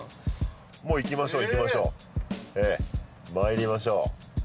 もういきましょういきましょうまいりましょう